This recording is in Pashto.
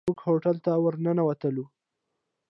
موږ هوټل ته ورننوتلو.